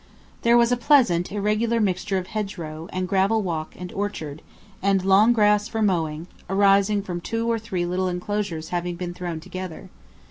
There was a pleasant irregular mixture of hedgerow, and gravel walk, and orchard, and long grass for mowing, arising from two or three little enclosures having been thrown together.